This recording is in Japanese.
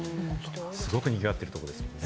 すごく賑わってるところですもんね。